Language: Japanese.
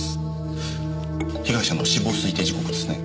被害者の死亡推定時刻ですね。